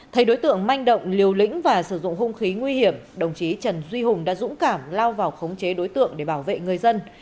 thay đối tượng manh động liều lĩnh và sử dụng hung khí nguy hiểm đồng chí trần duy hùng đã dũng cảm lao vào khống chế đối tượng để bảo vệ người dân